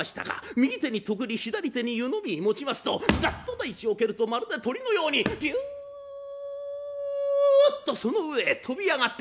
右手に徳利左手に湯飲み持ちますとダッと大地を蹴るとまるで鳥のようにピュンとその上へ飛び上がった。